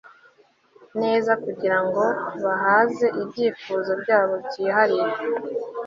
neza kugira ngo bahaze ibyifuzo byabo byihariye